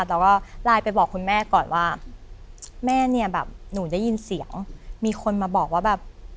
แต่ว่าไลน์ไปบอกคุณแม่ก่อนว่าแม่เนี่ยแบบหนูได้ยินเสียงมีคนมาบอกว่าแบบ